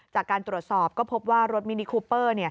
จากการตรวจสอบก็พบว่ารถมินิคูเปอร์